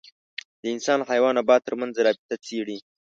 د انسان، حیوان او نبات تر منځ رابطه څېړي.